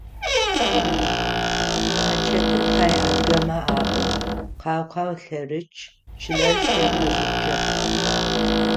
Тхьачэтым пай адыгэмэ alo: «Къау-къау лъэрычъ, чылэр щэ къэзычъыхь».